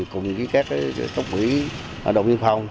cùng với các tốc quỷ ở đồng biên phòng